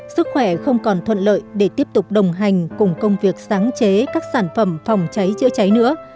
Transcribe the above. sức khỏe không còn thuận lợi để tiếp tục đồng hành cùng công việc sáng chế các sản phẩm phòng cháy chữa cháy nữa